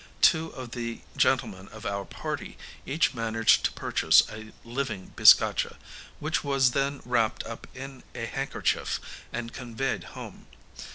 Two of the gentlemen of our party each managed to purchase a living bizcacha, which was then wrapped up in a handkerchief and conveyed home.